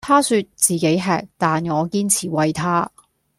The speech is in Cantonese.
她說自己吃，但我堅持餵她